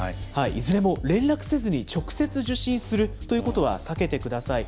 いずれも連絡せずに直接受診するということは避けてください。